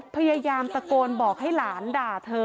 พยายามตะโกนบอกให้หลานด่าเธอ